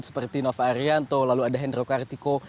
seperti nova arianto lalu ada hendro kartiko